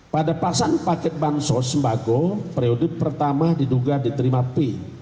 pada pasan paket bansos sembako periode pertama diduga diterima p